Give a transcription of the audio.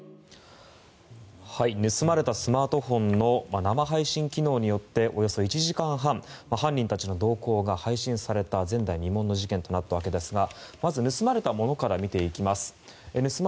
盗まれたスマートフォンの生配信機能によっておよそ１時間半犯人たちの動向が配信された前代未聞の事件となったわけですがまず盗まれたものから見ていきます。